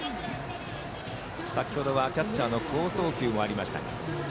先程はキャッチャーの好送球もありましたが。